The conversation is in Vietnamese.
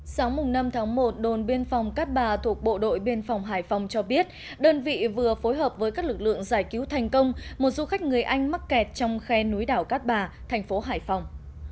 sáng năm tháng một đồn biên phòng cát bà thuộc bộ đội biên phòng hải phòng cho biết đơn vị vừa phối hợp với các lực lượng giải cứu thành công một du khách người anh mắc kẹt trong khe núi đảo cát bà thành phố hải phòng